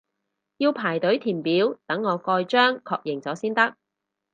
要排隊填表等我蓋章確認咗先得